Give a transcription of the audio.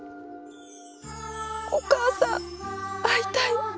お母さん会いたい。